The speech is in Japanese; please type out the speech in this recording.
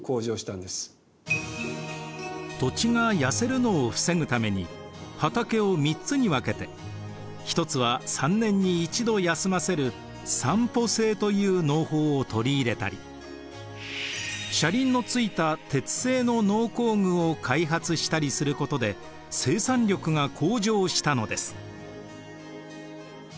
土地が痩せるのを防ぐために畑を３つに分けて一つは３年に一度休ませる「三圃制」という農法を取り入れたり車輪の付いた鉄製の農耕具を開発したりすることで生産力が向上したのです。